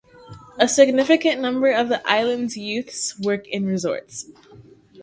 A significant number of the island's youths work in resorts.